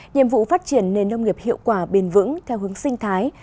nhiệm vụ phát triển nền nông nghiệp hiệu quả bền vững theo hướng sinh thái